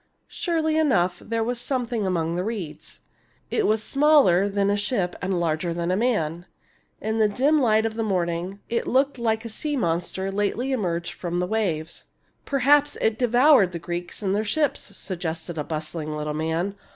Surely enough there was something among the reeds. It was smaller than a ship and larger than a man. In the dim light of the morning, it looked like a sea monster lately emerged from the waves. " Perhaps it has devoured the Greeks and their ships," suggested a bustling little man.